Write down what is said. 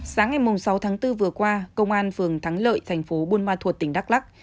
sáng ngày sáu tháng bốn vừa qua công an phường thắng lợi thành phố buôn ma thuột tỉnh đắk lắc